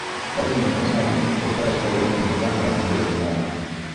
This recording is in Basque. Bertsogintzaz gain, euskarazko letren inguruan garatzen du bere lana.